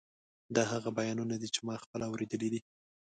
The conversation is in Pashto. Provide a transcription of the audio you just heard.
دا هغه بیانونه دي چې ما پخپله اورېدلي دي.